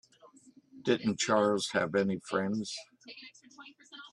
Didn't Charles have any friends?